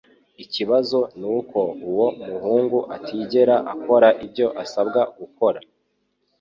Ikibazo nuko uwo muhungu atigera akora ibyo asabwa gukora.